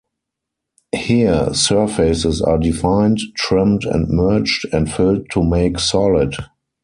Here, surfaces are defined, trimmed and merged, and filled to make solid.